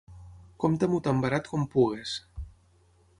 Compta-m'ho tan barat com puguis.